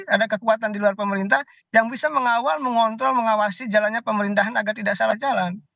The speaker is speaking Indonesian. ada kekuatan di luar pemerintah yang bisa mengawal mengontrol mengawasi jalannya pemerintahan agar tidak salah jalan